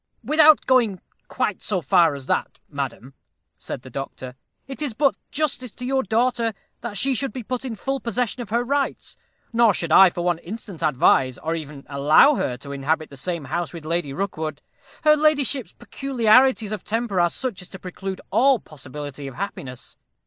"Without going quite so far as that, madam," said the doctor, "it is but justice to your daughter that she should be put in full possession of her rights; nor should I for one instant advise, or even allow her to inhabit the same house with Lady Rookwood. Her ladyship's peculiarities of temper are such as to preclude all possibility of happiness.